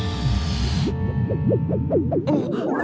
あっ。